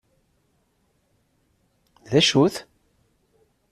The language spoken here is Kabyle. D acu-t?